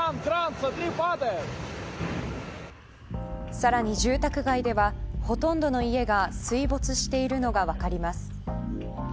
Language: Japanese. さらに住宅街ではほとんどの家が水没しているのが分かります。